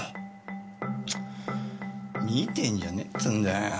チッ見てんじゃねえっつうんだよ。